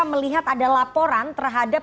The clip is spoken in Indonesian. melihat ada laporan terhadap